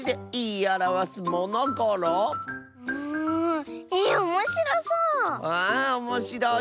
ああおもしろいぞ。